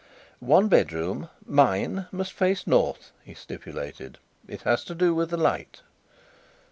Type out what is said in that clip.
"One bedroom, mine, must face north," he stipulated. "It has to do with the light."